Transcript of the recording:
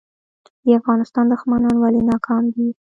د افغانستان دښمنان ولې ناکام دي؟